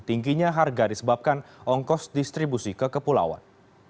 tingginya harga disebabkan ongkos distribusi ke kepulauan